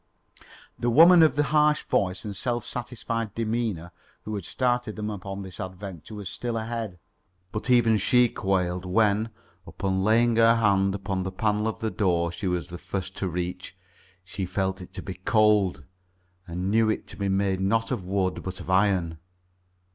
The woman of the harsh voice and self satisfied demeanour, who had started them upon this adventure, was still ahead; but even she quailed when, upon laying her hand upon the panel of the door she was the first to reach, she felt it to be cold and knew it to be made not of wood but of iron.